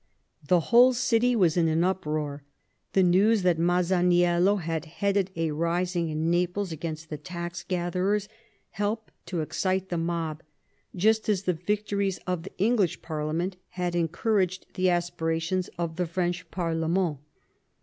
The whole city was in an uproar. The news that Masaniello had headed a rising in Naples against the tax gatherers helped to excite the mob, just as the victories of the English parliament had en couraged the aspirations of the French parlement.